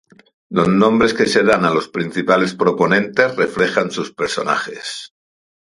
Los nombres que se dan a los principales proponentes reflejan sus personajes.